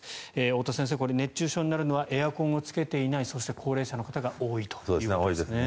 太田先生、熱中症になるのはエアコンをつけていないそして、高齢者の方が多いということですね。